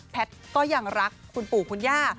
ก็ยังรักคุณปู่คุณย่า